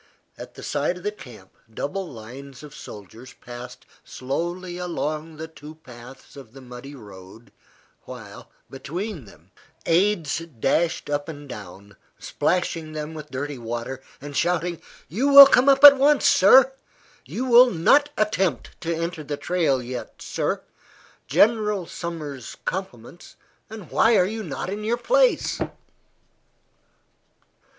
At the side of the camp, double lines of soldiers passed slowly along the two paths of the muddy road, while, between them, aides dashed up and down, splashing them with dirty water, and shouting, "You will come up at once, sir." "You will not attempt to enter the trail yet, sir." "General Sumner's compliments, and why are you not in your place?"